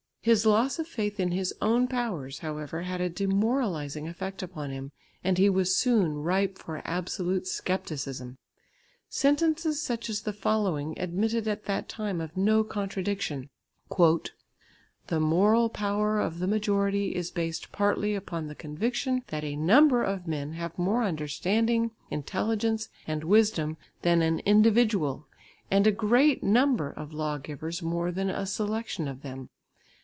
His loss of faith in his own powers, however, had a demoralising effect upon him, and he was soon ripe for absolute scepticism. Sentences such as the following admitted at that time of no contradiction: "The moral power of the majority is based partly upon the conviction that a number of men have more understanding, intelligence and wisdom than an individual, and a great number of lawgivers more than a selection of them.